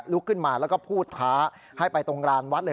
ลุกขึ้นมาแล้วก็พูดท้าให้ไปตรงรานวัดเลย